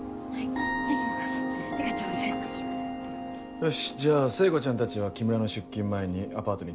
よしじゃあ聖子ちゃんたちは木村の出勤前にアパートに行って。